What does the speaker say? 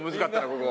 ここ。